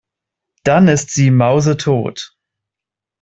Dann ist sie mausetot.